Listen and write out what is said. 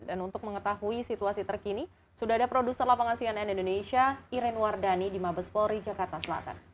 dan untuk mengetahui situasi terkini sudah ada produser lapangan cnn indonesia irene wardani di mabes polri jakarta selatan